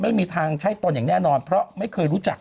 ไม่มีทางใช่ตนอย่างแน่นอนเพราะไม่เคยรู้จัก